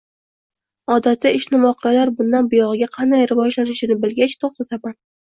Odatda, ishni voqealar bundan buyogʻiga qanday rivojlanishi bilgach, toʻxtataman